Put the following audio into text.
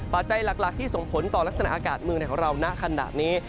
ปัจจัยหลักที่ส่งผลต่อลักษณะอากาศเมืองไทยของเราณขณะนี้